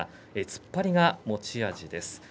突っ張りが持ち味です。